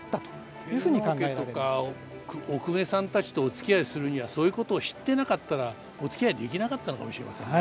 天皇家とかお公家さんたちとおつきあいするにはそういうことを知ってなかったらおつきあいできなかったのかもしれませんね。